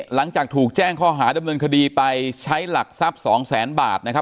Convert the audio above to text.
หลังจากถูกแจ้งข้อหาดำเนินคดีไปใช้หลักทรัพย์สองแสนบาทนะครับ